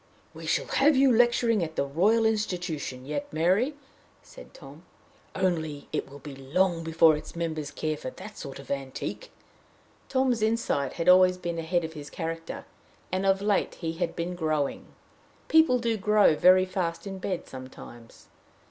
"We shall have you lecturing at the Royal Institution yet, Mary," said Tom; "only it will be long before its members care for that sort of antique." Tom's insight had always been ahead of his character, and of late he had been growing. People do grow very fast in bed sometimes.